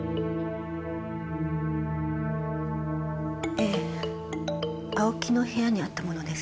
えぇ青木の部屋にあったものです。